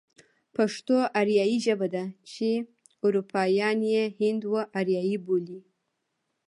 پښتو آريايي ژبه ده چې اروپايان يې هند و آريايي بولي.